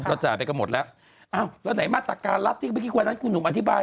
อ้าวแล้วไหนมาตรการละที่เมื่อกี้กว่านั้นคุณหนูอธิบาย